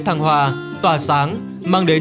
thăng hoa tỏa sáng mang đến